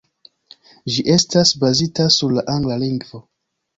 Ĝi estas bazita sur la angla lingvo.